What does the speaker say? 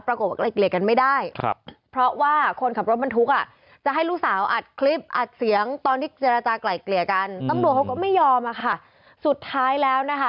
ปรากฏว่ากลายเกลียร์กันไม่ได้